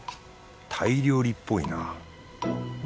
タイ料理っぽいな。